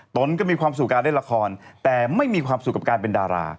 ตนก็มีความสุขการเล่นละครแต่ไม่มีความสุขกับการเป็นดารา